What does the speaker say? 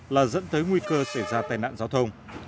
là dẫn tới nguy cơ xảy ra tai nạn giao thông